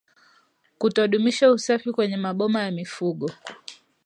kutodumisha usafi kwenye maboma ya mifugo